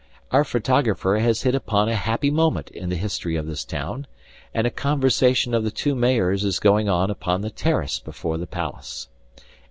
Our photographer has hit upon a happy moment in the history of this town, and a conversation of the two mayors is going on upon the terrace before the palace.